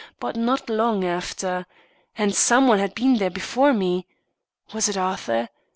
but not long after. And some one had been there before me! Was it Arthur?